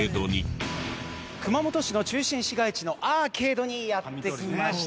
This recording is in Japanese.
熊本市の中心市街地のアーケードにやって来ました。